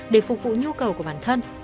để phục vụ nhu cầu của bản thân